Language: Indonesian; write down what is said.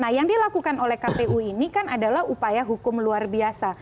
nah yang dilakukan oleh kpu ini kan adalah upaya hukum luar biasa